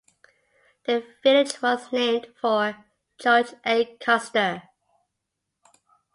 The village was named for George A. Custer.